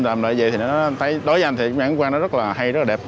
làm như vậy thì nó thấy đối với anh thì ảnh quang nó rất là hay rất là đẹp